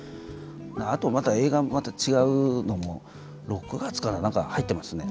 あとまた映画もまた違うのも６月かな何か入ってますね。